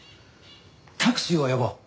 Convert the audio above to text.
タクシーを呼ぼう！